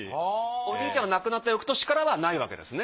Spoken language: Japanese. おじいちゃんが亡くなった翌年からはないわけですね。